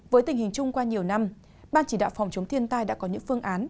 với tình hình chung qua nhiều năm ban chỉ đạo phòng chống thiên tai đã có những phương án